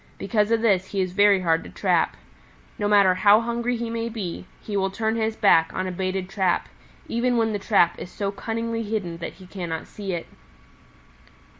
Because of this he is very hard to trap. No matter how hungry he may be, he will turn his back on a baited trap, even when the trap is so cunningly hidden that he cannot see it.